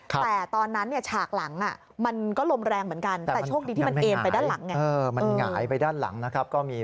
แต่ตอนนั้นฉากหลังมันก็ลมแรงเหมือนกัน